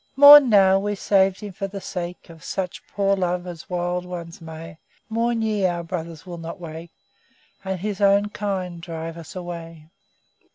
Mourn now, we saved him for the sake Of such poor love as wild ones may. Mourn ye! Our brother will not wake, And his own kind drive us away!